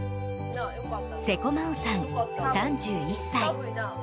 世古真央さん、３１歳。